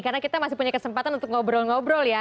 karena kita masih punya kesempatan untuk ngobrol ngobrol ya